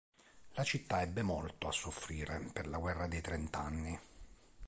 La città ebbe molto a soffrire per la guerra dei trent'anni.